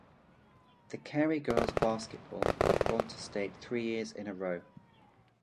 The Carey girls basketball have gone to state three years in a row.